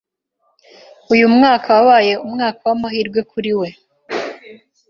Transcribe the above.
Uyu mwaka wabaye umwaka w'amahirwe kuri we.